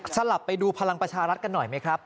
ลับไปดูพลังประชารัฐกันหน่อยไหมครับ